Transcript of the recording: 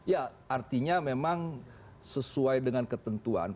ya artinya memang sesuai dengan ketentuan